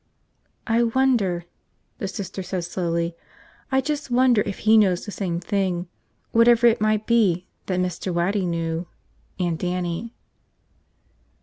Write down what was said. "I wonder," the Sister said slowly. "I just wonder if he knows the same thing, whatever it might be, that Mr. Waddy knew, and Dannie."